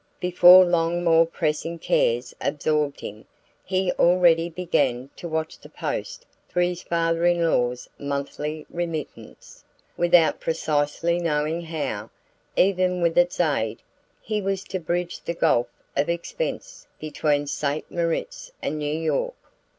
Before long more pressing cares absorbed him. He had already begun to watch the post for his father in law's monthly remittance, without precisely knowing how, even with its aid, he was to bridge the gulf of expense between St. Moritz and New York.